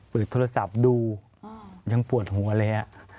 เปิดโทรศัพท์ดูยังปวดหัวเลย